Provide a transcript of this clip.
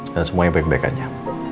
dan semuanya baik baik aja